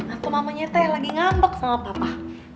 atau mamanya teh lagi ngambek sama papa